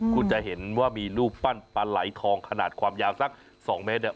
คุณจะเห็นว่ามีรูปปั้นปลาไหลทองขนาดความยาวสัก๒เมตรเนี่ย